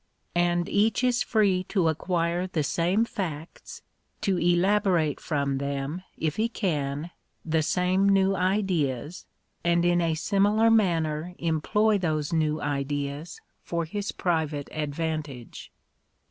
And each is free to acquire the same facts — to elaborate from them, if he can, the same new ideas — and in a similar manner employ those new ideas for his private advantage.